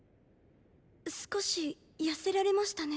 少し痩せられましたね